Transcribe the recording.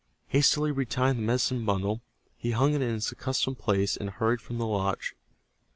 Hastily retying the medicine bundle, he hung it in its accustomed place, and hurried from the lodge.